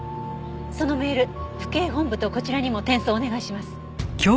そのメール府警本部とこちらにも転送お願いします。